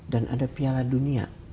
dan ada piala dunia